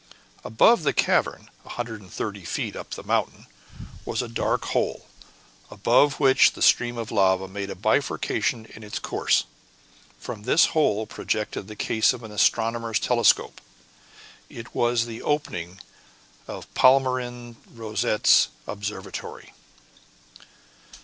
Above the cavern, 130 feet up the mountain, was a dark hole, above which the stream of lava made a bifurcation in its course. From this hole projected the case of an astronomer's telescope; it was the opening of Palmyrin Rosette's observatory.